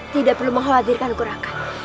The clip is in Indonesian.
tidak perlu mengkhawatirkan kurangkan